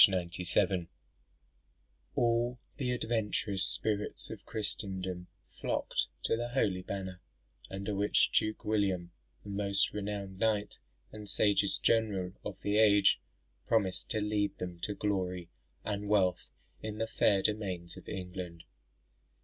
97.] All the adventurous spirits of Christendom flocked to the holy banner, under which Duke William, the most renowned knight and sagest general of the age, promised to lead them to glory and wealth in the fair domains of England.